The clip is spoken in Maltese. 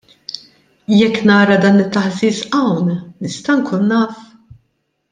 Jekk nara dan it-taħżiż hawn, nista' nkun naf?